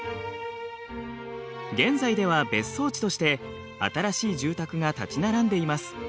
現在では別荘地として新しい住宅が立ち並んでいます。